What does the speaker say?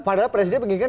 padahal presiden begini kan